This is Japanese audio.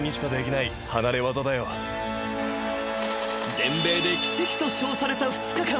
［全米で奇跡と称された２日間］